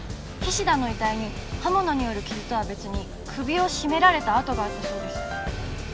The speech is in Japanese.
菱田さんの遺体に刃物による傷とは別に首を絞められた痕があったそうです。